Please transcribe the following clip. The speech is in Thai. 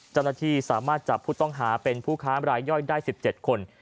เจ้าหน้าที่สามารถจับผู้ต้องหาเป็นผู้ค้ามรายย่อยได้๑๗คน